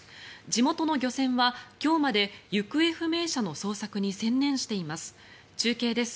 地元の漁船は今日まで行方不明者の捜索に専念しています。